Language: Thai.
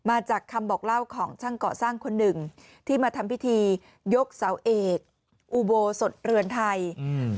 มาจากคำบอกเล่าของช่างก่อสร้างคนหนึ่งที่มาทำพิธียกเสาเอกอุโบสถเรือนไทยอืม